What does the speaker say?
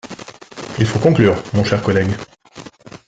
Il faut conclure, mon cher collègue.